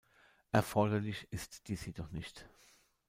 Erforderlich ist dies jedoch nicht.